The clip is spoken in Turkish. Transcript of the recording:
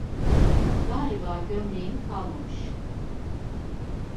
Galiba gömleğim kalmamış.